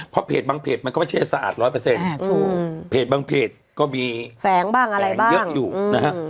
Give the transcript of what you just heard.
เพราะเพจบางเพจมันก็ไม่ใช่สะอาดร้อยเปอร์เซ็นต์เพจบางเพจก็มีแฝงบ้างอะไรบ้างเยอะอยู่นะฮะ